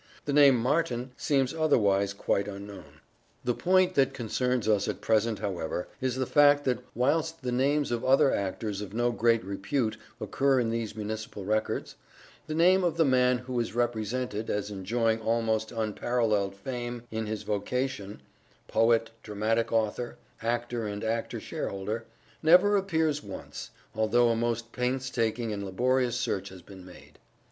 The name Martin seems otherwise quite unknown. The point that concerns us at present, however, is the fact that whilst the names of other actors of no great repute occur in these municipal records, the name of the man who is represented as enjoying almost unparalleled fame in his vocation — poet, dramatic author, actor and actor shareholder — never appears once, although a most painstaking and laborious search has been made.